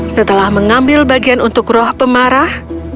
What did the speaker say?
setelah mengambil bagian untuk roh pemarah